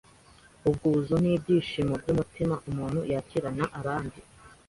Ubwuzu ni ibyishimo by’umutima umuntu yakirana abandi